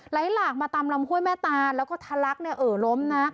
หลากมาตามลำห้วยแม่ตาแล้วก็ทะลักเนี่ยเอ่อล้มนะ